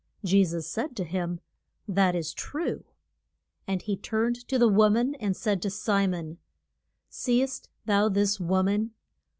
Je sus said to him, That is true. And he turned to the wo man and said to Si mon, See'st thou this wo man?